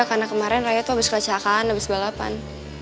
karena kemarin raya tuh abis kelecahan abis balapan